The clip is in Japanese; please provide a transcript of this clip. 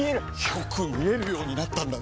よく見えるようになったんだね！